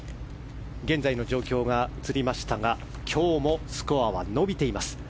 現在の状況が映りましたが今日もスコアは伸びています。